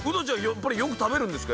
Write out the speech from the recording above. やっぱりよく食べるんですか？